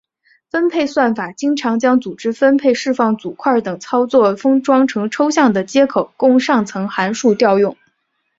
分配算法经常将组织分配释放组块等操作封装成抽象的接口供上层函数调用。